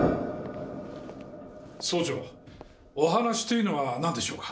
総長お話というのはなんでしょうか？